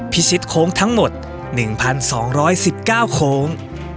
พิชิตโค้งทั้งหมด๑๒๑๙โค้ง